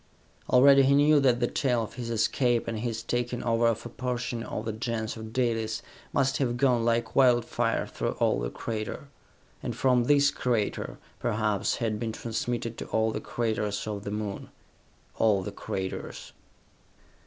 Already he knew that the tale of his escape, and his taking over of a portion of the Gens of Dalis, must have gone like wildfire through all the crater, and from this crater, perhaps, had been transmitted to all the craters of the Moon. All the craters....